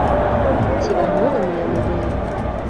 Ці анёламі яны былі?